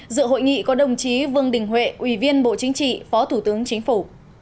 dự hội nghị có đồng chí vương đình huệ ủy viên bộ chính trị phó thủ tướng chính phủ